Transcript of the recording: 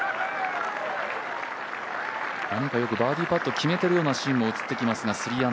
よくバーディーパット決めてるようなシーンも映ってきますが。